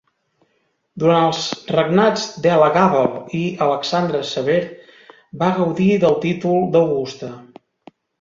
Durant els regnats d'Elagàbal i Alexandre Sever va gaudir del títol d'augusta.